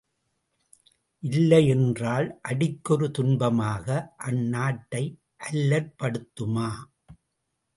இல்லையென்றால், அடிக்கொரு துன்பமாக அந்நாட்டை அல்லற்படுத்துமா?